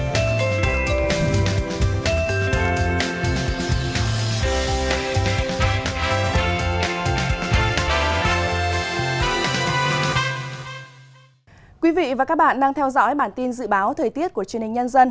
thưa quý vị và các bạn đang theo dõi bản tin dự báo thời tiết của truyền hình nhân dân